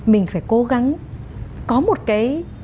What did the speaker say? mình phải cố gắng có một cái